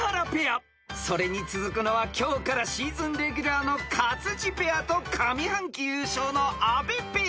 ［それに続くのは今日からシーズンレギュラーの勝地ペアと上半期優勝の阿部ペア］